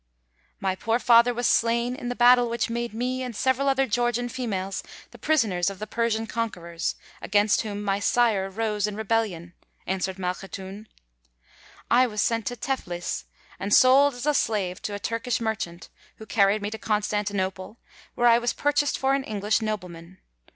"My poor father was slain in the battle which made me and several other Georgian females the prisoners of the Persian conquerors, against whom my sire rose in rebellion," answered Malkhatoun. "I was sent to Teflis, and sold as a slave to a Turkish merchant, who carried me to Constantinople, where I was purchased for an English nobleman.